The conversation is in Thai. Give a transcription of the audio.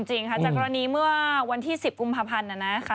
จากรณีเมื่อวันที่๑๐กุมภัณฑ์